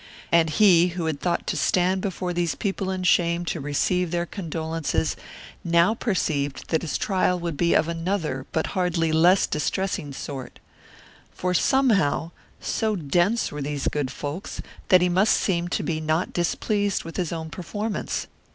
And he who had thought to stand before these people in shame to receive their condolences now perceived that his trial would be of another but hardly less distressing sort. For somehow, so dense were these good folks, that he must seem to be not displeased with his own performance.